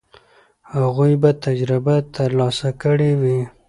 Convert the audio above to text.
هغوی به تجربه ترلاسه کړې وي.